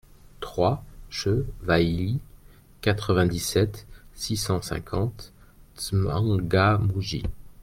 trois cHE WAILI, quatre-vingt-dix-sept, six cent cinquante, M'Tsangamouji